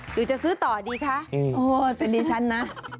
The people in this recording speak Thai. หรือจะซื้อต่อดีคะเป็นเดชั่นนะ